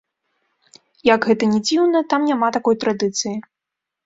Як гэта ні дзіўна, там няма такой традыцыі.